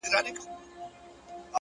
o زه به يې ياد يم که نه؛